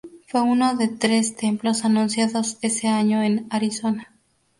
Fue uno de tres templos anunciados ese año en Arizona.